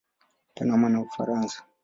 Panama na Ufaransa.